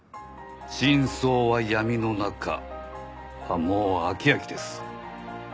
真相は闇の中はもう飽き飽きです。